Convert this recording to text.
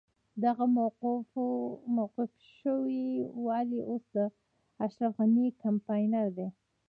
دغه موقوف شوی والي اوس د اشرف غني کمپاينر دی.